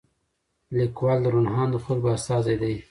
لیکوال د روڼ اندو خلکو استازی دی.